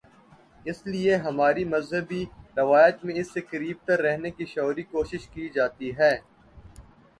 اس لیے ہماری مذہبی روایت میں اس سے قریب تر رہنے کی شعوری کوشش کی جاتی ہے۔